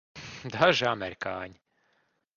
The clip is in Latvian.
Daži amerikāņi.